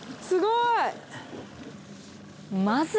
すごいあ！